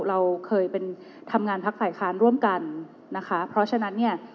เราเคยเป็นทำงานพักฝ่ายค้านร่วมกันนะคะเพราะฉะนั้นเนี่ย